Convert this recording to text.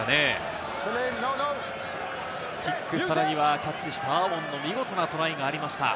キック、さらにはタッチして、アーウォンの見事のトライがありました。